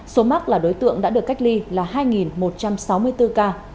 số mắc là đối tượng đã được cách ly là hai một trăm sáu mươi bốn ca